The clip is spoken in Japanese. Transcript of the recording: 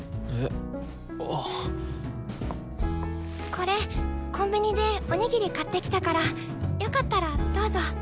これコンビニでおにぎり買ってきたからよかったらどうぞ！